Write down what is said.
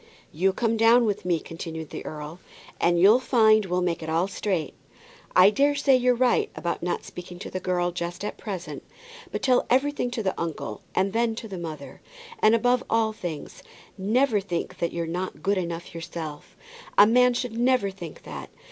"You come down with me," continued the earl, "and you'll find we'll make it all straight. I daresay you're right about not speaking to the girl just at present. But tell everything to the uncle, and then to the mother. And, above all things, never think that you're not good enough yourself. A man should never think that.